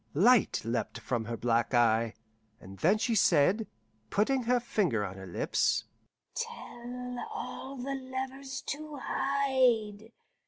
Light leapt from her black eye, and then she said, putting her finger on her lips, "Tell all the lovers to hide.